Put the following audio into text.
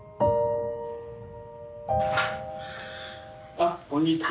あっこんにちは。